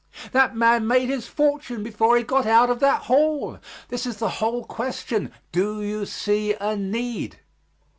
That man made his fortune before he got out of that hall. This is the whole question: Do you see a need?